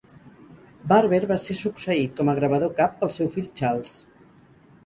Barber va ser succeït com a gravador cap pel seu fill Charles.